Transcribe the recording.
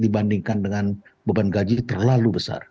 dibandingkan dengan beban gaji terlalu besar